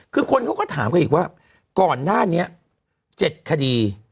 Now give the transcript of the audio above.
คือคนเขาก็ถามกันอีกว่าก่อนหน้านี้๗คดี